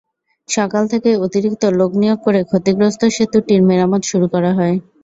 সকাল থেকেই অতিরিক্ত লোক নিয়োগ করে ক্ষতিগ্রস্ত সেতুটির মেরামত শুরু করা হয়।